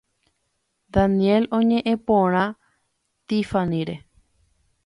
Daniel oñe’ẽ porã Tiffanyre.